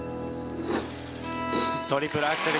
トリプルアクセル